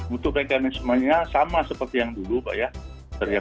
untuk mekanismenya sama seperti yang dulu pak ya